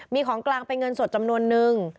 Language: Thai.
มีของกลางเป็นเงินสดจำนวนนึง